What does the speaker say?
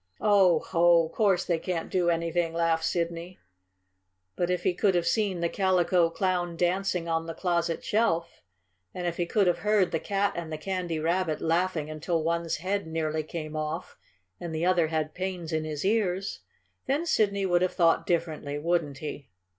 "Oh, ho! Course they can't do anything!" laughed Sidney. But if he could have seen the Calico Clown dancing on the closet shelf, and if he could have heard the Cat and the Candy Rabbit laughing until one's head nearly came off and the other had pains in his ears, then Sidney would have thought differently, wouldn't he?